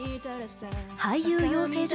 俳優養成所